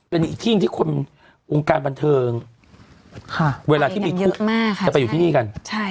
เป็นอีกที่ที่คนวงการบันเทิงเวลาที่มีทุกข์มากค่ะจะไปอยู่ที่นี่กัน